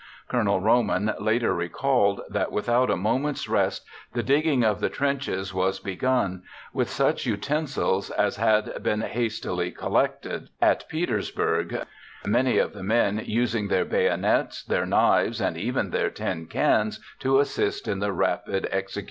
Colonel Roman later recalled that "without a moment's rest the digging of the trenches was begun, with such utensils as had been hastily collected at Petersburg, many of the men using their bayonets, their knives, and even their tin cans, to assist in the rapid execution of the work."